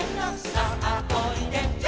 「さあおいで」